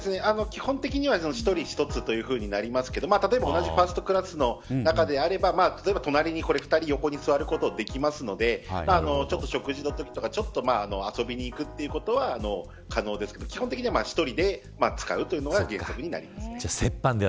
基本的には１人１つとなりますが例えば、同じファーストクラスの中であれば隣に２人、横に座ることもできますので食事のときとか遊びに行くということは可能ですが、基本的には１人で使うというのが原則です。